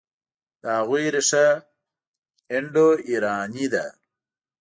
د هغوی ریښه انډوایراني ده.